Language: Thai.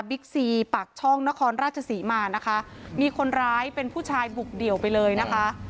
ซีปากช่องนครราชศรีมานะคะมีคนร้ายเป็นผู้ชายบุกเดี่ยวไปเลยนะคะ